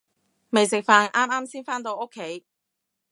未食飯，啱啱先返到屋企